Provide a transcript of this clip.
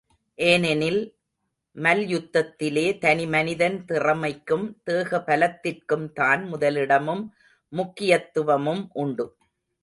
ஏனெனில், மல்யுத்தத்திலே தனி மனிதன் திறமைக்கும், தேக பலத்திற்கும்தான் முதலிடமும் முக்கியத்துவமும் உண்டு.